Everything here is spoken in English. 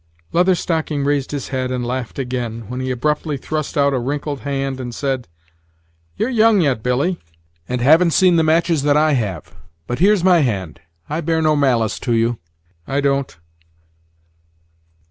Leather Stocking raised his head, and laughed again, when he abruptly thrust out a wrinkled hand, and said: "You're young yet, Billy, and haven't seen the matches that I have; but here's my hand; I bear no malice to you, I don't."